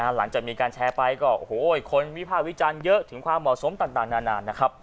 หลังจากมีการแชร์ไปก็คนวิพาควิจันทร์เยอะถึงความเหมาะสมต่างนาน